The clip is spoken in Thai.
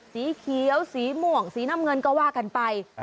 สีเขียวสีม่วงสีน้ำเงินก็ว่ากันไป